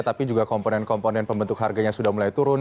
tapi juga komponen komponen pembentuk harganya sudah mulai turun